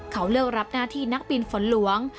เขาเลือกรับหน้าที่นักบินฝนหลวง